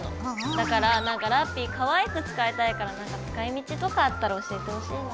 だからラッピィかわいく使いたいからなんか使い道とかあったら教えてほしいな。